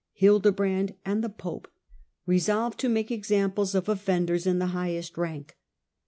Hilde brand and the pope resolved to make examples of ofienders in the highest rank.